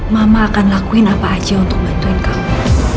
mama akan lakuin apa aja untuk bantuin kamu